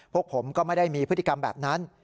พวกผมก็ไม่ได้มีพฤติกรรมแบบนั้น